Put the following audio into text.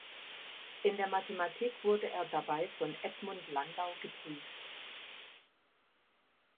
In der Mathematik wurde er dabei von Edmund Landau geprüft.